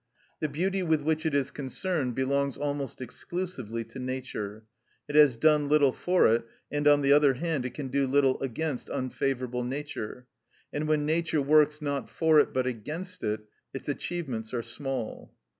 The beauty with which it is concerned belongs almost exclusively to nature; it has done little for it; and, on the other hand, it can do little against unfavourable nature, and when nature works, not for it, but against it, its achievements are small.